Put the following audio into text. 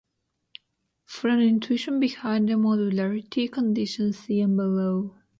For an intuition behind the modularity condition see and below.